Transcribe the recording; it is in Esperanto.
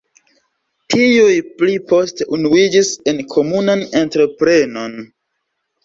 Tiuj pli poste unuiĝis en komunan entreprenon.